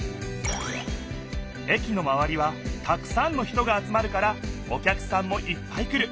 駅のまわりはたくさんの人が集まるからお客さんもいっぱい来る。